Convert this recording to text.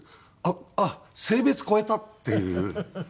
あっ性別超えたっていう。